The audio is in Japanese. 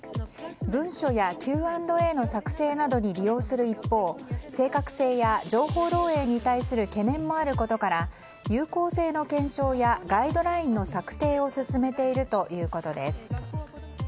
文書やＱ＆Ａの作成などに利用する一方正確性や情報漏えいに対する懸念もあることから有効性の検証やガイドラインの策定を進めているということです。